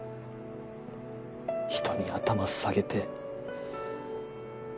人に頭下げて。